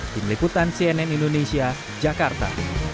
tim liputan cnn indonesia jakarta